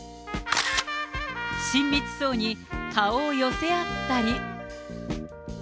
親密そうに顔を寄せ合ったり。